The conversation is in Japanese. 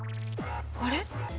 あれ？